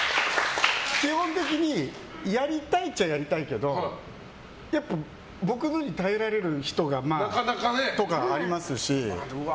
基本的に、やりたいっちゃやりたいけど僕のに耐えられる人がとかもありますし。